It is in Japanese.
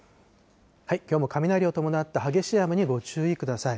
きょうも雷を伴った激しい雨にご注意ください。